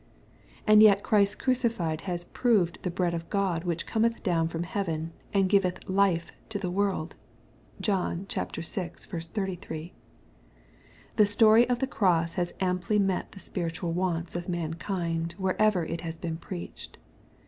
And yet Christ crucified has proved the bread of God which cometh down from heaven, and giveth life to the world. (John vi. 33.) The story of the cross has amply met the spiritual wants of mankind wherever it has been preached.